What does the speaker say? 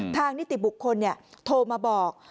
ทางนิติบุคคลเนี่ยโทรมาบอก